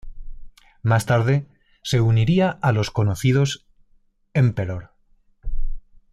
Más tarde se uniría a los conocidos Emperor.